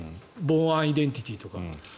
「ボーン・アイデンティティー」とか。